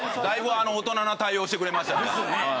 だいぶ大人な対応してくれましたね。